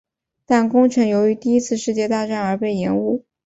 但工程由于第一次世界大战而被延误。